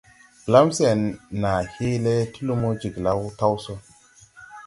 Blam sen naa hee le ti lumo Jiglao taw so.